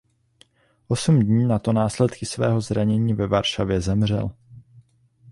Osm dní na to na následky svého zranění ve Varšavě zemřel.